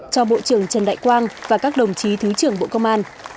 cho bộ trưởng trần đại quang và các đồng chí thứ trưởng bộ công an